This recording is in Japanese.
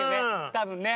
多分ね。